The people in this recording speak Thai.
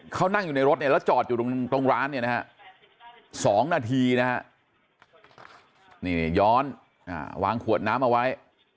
เขานั่งอยู่ในรถแล้วจอดอยู่ตรงร้าน๒นาทีย้อนวางขวดน้ำเอาไว้